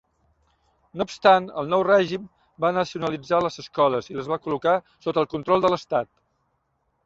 No obstant, el nou règim va nacionalitzar les escoles i les va col·locar sota el control de l'estat.